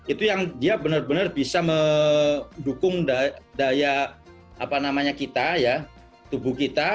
itu yang dia benar benar bisa mendukung daya apa namanya kita ya tubuh kita